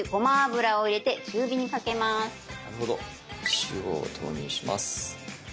塩を投入します。